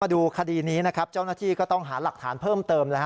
ดูคดีนี้นะครับเจ้าหน้าที่ก็ต้องหาหลักฐานเพิ่มเติม